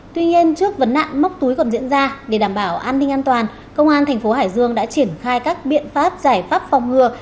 tuy nhiên trước vấn nạn móc túi còn diễn ra để đảm bảo an ninh an toàn công an tp hcm đã triển khai các biện pháp giải pháp phòng ngừa